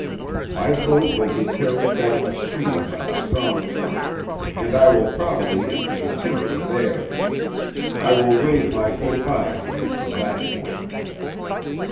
"My boat will be carried down the stream by the strong current, and I will probably enter the timber there. I will wave my good by to you from that point."